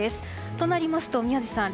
となりますと宮司さん